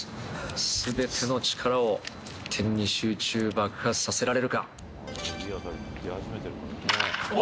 すべての力を一点に集中、爆発させられるか。